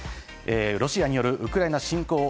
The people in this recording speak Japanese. ロシアによるウクライナ侵攻を